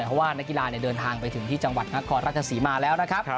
เพราะว่านายกีฬาเดินทางไปที่จังหวัดนักคอร์รัชศรีมาร์แล้ว